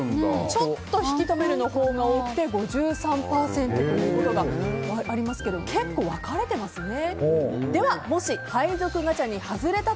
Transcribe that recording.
ちょっと引き止めるのほうが多くて５３％ということですけど結構分かれてますね。